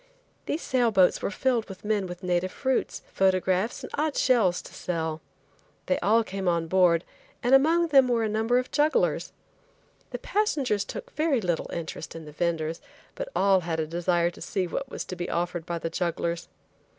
These sail boats were filled with men with native fruits, photographs and odd shells to sell. They all came on board, and among them were a number of jugglers. The passengers took very little interest in the venders, but all had a desire to see what was to be offered by the jugglers.